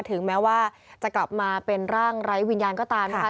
ถึงแม้ว่าจะกลับมาเป็นร่างไร้วิญญาณก็ตามนะคะ